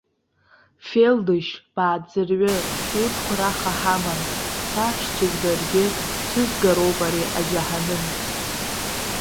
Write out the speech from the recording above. Фелдышь, бааӡырҩы, урҭқәа раха ҳамам, саҳәшьцәагьы баргьы шәҭызгароуп ари аџьаҳаным!